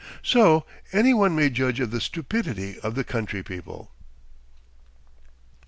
So any one may judge of the stupidity of the country people."